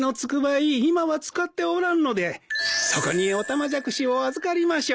今は使っておらんのでそこにオタマジャクシを預かりましょう。